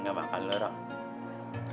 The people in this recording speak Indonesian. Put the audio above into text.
nggak makan lho roh